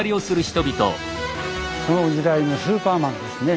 その時代のスーパーマンですね。